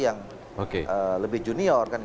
yang lebih junior